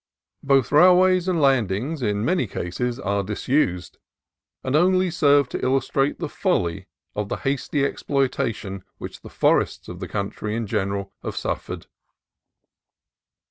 Both railways and landings in many cases are dis used, and only serve to illustrate the folly of the hasty exploitation which the forests of the country in general have suffered.